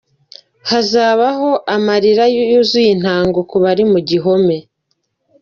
Hazabaho amarira yuzuye intango ku bari mu gihome.